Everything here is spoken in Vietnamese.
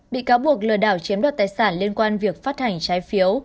bị cáo buộc lừa đảo chiếm đoạt tài sản liên quan việc phát hành trái phiếu